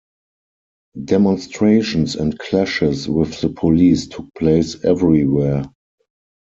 Demonstrations and clashes with the police took place everywhere.